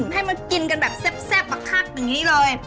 ให้มากินกันแบบแซ่บอักคักอย่างนี้เลย